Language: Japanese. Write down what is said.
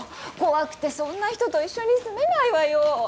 怖くてそんな人と一緒に住めないわよ。